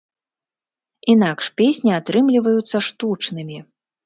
Інакш песні атрымліваюцца штучнымі.